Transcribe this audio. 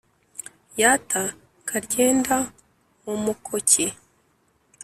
yata karyenda mu mukoki.